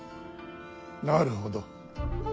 なるほど。